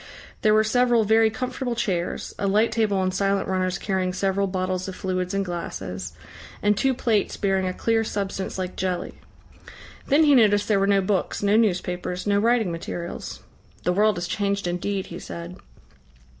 There were several very comfortable chairs, a light table on silent runners carrying several bottles of fluids and glasses, and two plates bearing a clear substance like jelly. Then he noticed there were no books, no newspapers, no writing materials. "The world has changed indeed," he said.